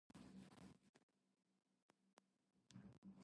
It is based on the assumption that the data follows a normal distribution.